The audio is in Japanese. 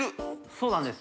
そうなんです